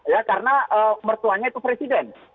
ya karena mertuanya itu presiden